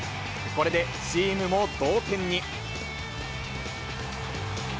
これでチームも同点に。